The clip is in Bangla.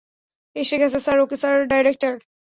এসেগেছে, স্যার ওকে স্যার, - ডাইরেক্টর?